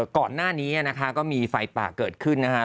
ก่อนหน้านี้นะคะก็มีไฟป่าเกิดขึ้นนะฮะ